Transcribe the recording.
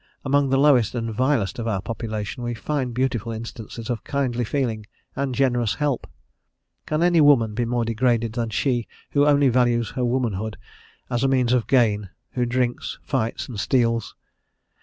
Among the lowest and vilest of our population, we find beautiful instances of kindly feeling and generous help. Can any woman be more degraded than she who only values her womanhood as a means of gain, who drinks, fights, and steals?